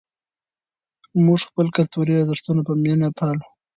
موږ خپل کلتوري ارزښتونه په مینه پالو.